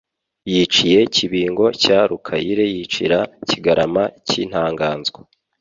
Yiciye Kibingo cya RukayireYicira Kigarama cy' Intaganzwa